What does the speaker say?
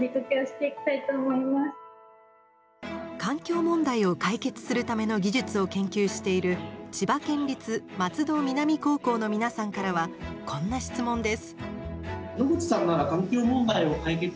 環境問題を解決するための技術を研究している千葉県立松戸南高校の皆さんからはこんな質問です。